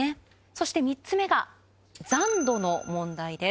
修靴３つ目が残土の問題です。